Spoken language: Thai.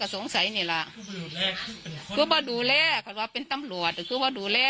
ก็ต้องดูดูแลเป็นตำรวจก็ต้องดูแล